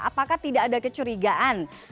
apakah tidak ada kecurigaan